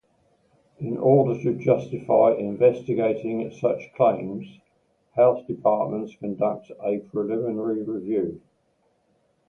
In order to justify investigating such claims, health departments conduct a preliminary review.